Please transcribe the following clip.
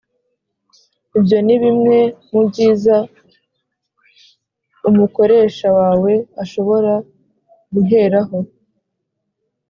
Ibyo ni bimwe mu byiza umukoresha wawe ashobora guheraho